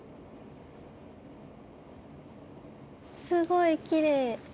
すごいきれい。